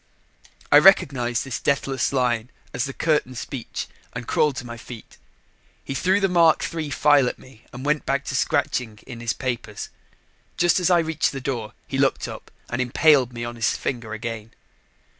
I recognized this deathless line as the curtain speech and crawled to my feet. He threw the Mark III file at me and went back to scratching in his papers. Just as I reached the door, he looked up and impaled me on his finger again.